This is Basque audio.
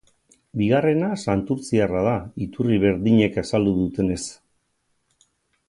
Bigarrena santurtziarra da, iturri berdinek azaldu dutenez.